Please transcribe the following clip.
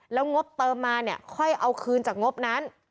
แล้วงบเติมมาเนี่ยค่อยเอาคืนจากงบนั้น